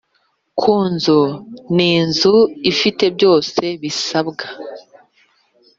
Ku nzu n inzu ifite byose bisabwa